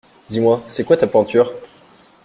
Dis-moi, c'est quoi ta pointure?